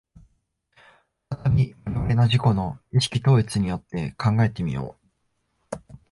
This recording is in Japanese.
再び我々の自己の意識統一によって考えて見よう。